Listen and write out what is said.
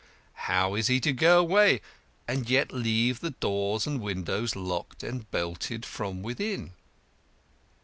How is he to go away and yet leave the doors and windows locked and bolted from within?